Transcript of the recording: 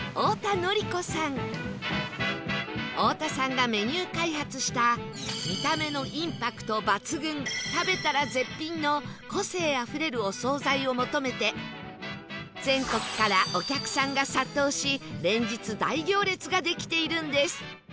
太田さんがメニュー開発した見た目のインパクト抜群食べたら絶品の個性あふれるお総菜を求めて全国からお客さんが殺到し連日大行列ができているんです